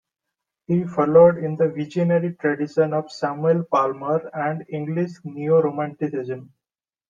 He followed in the visionary tradition of Samuel Palmer and English neo-romanticism.